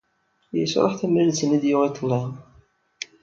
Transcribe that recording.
Yesruḥ tamrilt-nni i d-yuɣ iḍelli.